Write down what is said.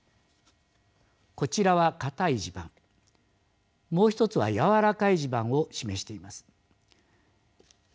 こちらはかたい地盤もう一つはやわらかい地盤を示しています。